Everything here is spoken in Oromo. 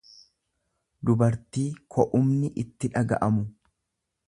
dubartii ko'umni itti dhaga'amu.